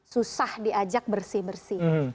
susah diajak bersih bersih